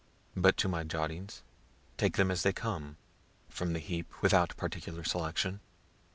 But to my jottings, taking them as they come, from the heap, without particular selection.